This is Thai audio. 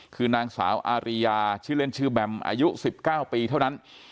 คือนางสาวอาริยาชื่อเล่นชื่อแบมอายุ๑๙ปีเท่านั้น